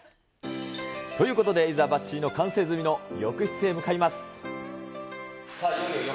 ということで、いざばっちり完成済みの浴室に向かいます。